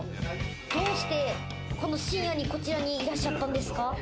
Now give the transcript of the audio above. どうして、この深夜にこちらに、いらっしゃったんですか？